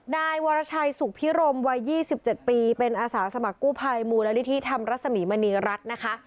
นายวรชัยสุขพิรมวัย๒๗ปีเป็นอาสาสมัครกู้ภัยมูลนิธิธรรมรสมีมณีรัฐนะคะ